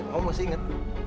kamu mesti inget